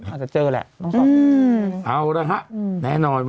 อาจจะเจอแหละ